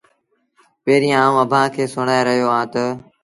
پيريٚݩ آئوٚنٚ اڀآنٚ کي سُڻآئي رهيو اهآنٚ تا